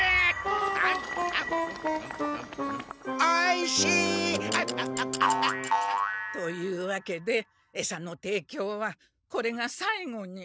あぐあぐあぐあぐ。というわけでエサのていきょうはこれが最後に。